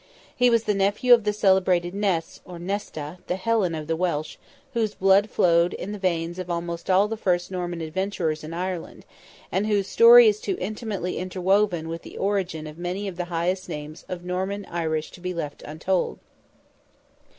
He was the nephew of the celebrated Nest or Nesta, the Helen of the Welsh, whose blood flowed in the veins of almost all the first Norman adventurers in Ireland, and whose story is too intimately interwoven with the origin of many of the highest names of the Norman Irish to be left untold.